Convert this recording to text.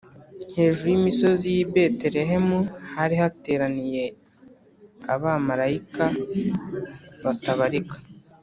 . Hejuru y’imisozi y’i Betelehemu hari hateraniye Abamarayika batabarika.